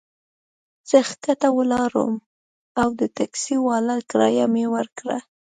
زه کښته ولاړم او د ټکسي والا کرایه مي ورکړه.